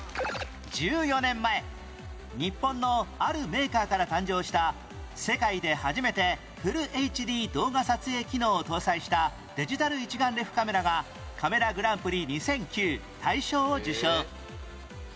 １４年前日本のあるメーカーから誕生した世界で初めてフル ＨＤ 動画撮影機能を搭載したデジタル一眼レフカメラがカメラグランプリ２００９大賞を受賞